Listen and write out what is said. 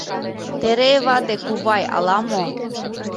Терей вате кувай ала-мо...